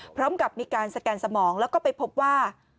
พร้อมกับมีการสแกนสมองแล้วก็ไปพบว่า